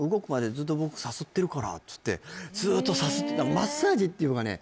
「ずっと僕さすってるから」っつってずっとさすってたマッサージっていうかね